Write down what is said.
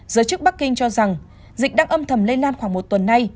giới chức bắc kinh cho rằng dịch đang âm thầm lây lan khoảng một tuần nay